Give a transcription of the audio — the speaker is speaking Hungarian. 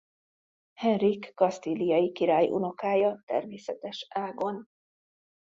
Henrik kasztíliai király unokája természetes ágon.